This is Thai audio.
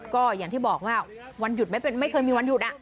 ก็อย่างที่บอกว่าวันหยุดไม่เคยมีวันหยุด